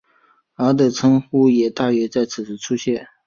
而的称呼也大约在此时出现。